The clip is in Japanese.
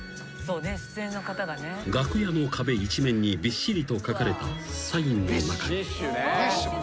［楽屋の壁一面にびっしりと書かれたサインの中に］